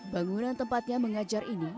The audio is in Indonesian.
bangunan tempatnya mengajar ini